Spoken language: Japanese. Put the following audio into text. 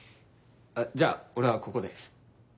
じゃあ俺はここで。